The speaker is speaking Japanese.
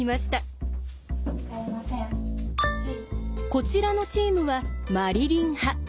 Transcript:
こちらのチームはマリリン派。